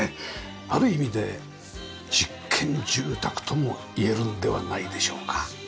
ある意味で実験住宅とも言えるのではないでしょうか。